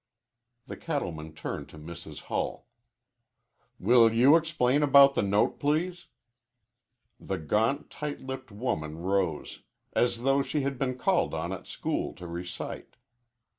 The cattleman turned to Mrs. Hull. "Will you explain about the note, please?" The gaunt, tight lipped woman rose, as though she had been called on at school to recite.